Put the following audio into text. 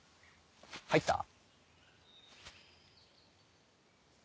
入った？